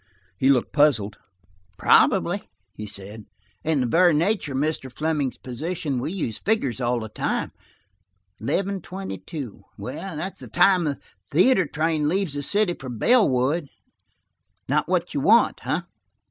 He looked puzzled. "Probably," he said. "In the very nature of Mr. Fleming's position, we used figures all the time. Eleven twenty two. That's the time the theater train leaves the city for Bellwood. Not what you want, eh?"